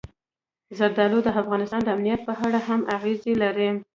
زردالو د افغانستان د امنیت په اړه هم اغېز لري.